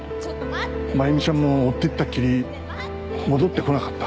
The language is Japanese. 真弓ちゃんも追ってったきり戻ってこなかった。